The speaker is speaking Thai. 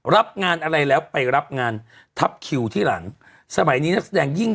รับงานอะไรแล้วไปรับงานทับคิวที่หลังสมัยนี้นักแสดงยิ่ง